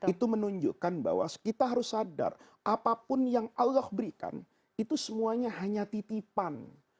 itu menunjukkan bahwa kita harus sadar apapun yang allah berikan itu semuanya hanya titipan